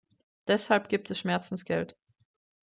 Deshalb gibt es Schmerzensgeld.